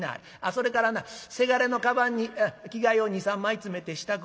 それからなせがれのかばんに着替えを２３枚詰めて支度をしてやんなはれ。